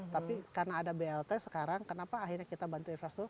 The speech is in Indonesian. tapi karena ada blt sekarang kenapa akhirnya kita bantu infrastruktur